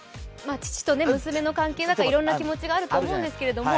父と娘の関係だからいろんな気持ちがあるんだと思いますけど。